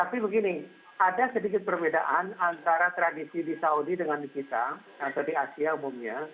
tapi begini ada sedikit perbedaan antara tradisi di saudi dengan di sini